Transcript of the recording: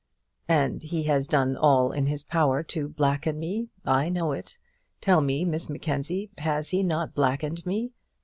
"And he has done all in his power to blacken me? I know it. Tell me, Miss Mackenzie, has he not blackened me?